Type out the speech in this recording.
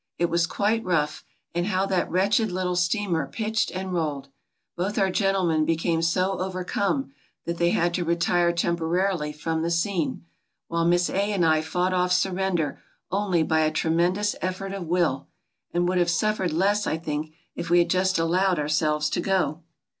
It was quite rough and how that wretched little steamer pitched and rolled! Both our gendemen became so over come that they had to retire temporarily from the scene, while Miss A. and I fought off surrender only by a tremen dous effort of will and would have suffered less I think if we had just allowed ourselves to go!